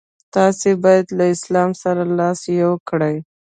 تاسي باید له اسلام سره لاس یو کړئ.